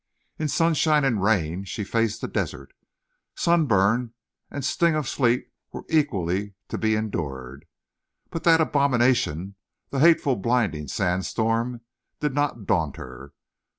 In sunshine and rain she faced the desert. Sunburn and sting of sleet were equally to be endured. And that abomination, the hateful blinding sandstorm, did not daunt her.